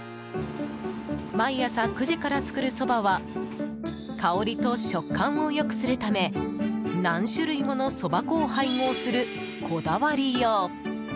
毎朝９時から作るそばは香りと食感を良くするため何種類ものそば粉を配合するこだわりよう。